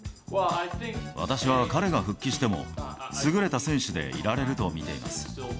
私は彼が復帰しても、優れた選手でいられると見ています。